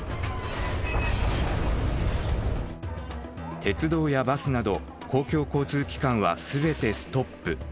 鉄道やバスなど公共交通機関は全てストップ。